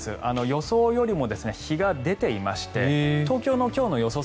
予想よりも日が出ていまして東京の今日の予想